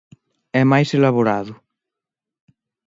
É máis elaborado.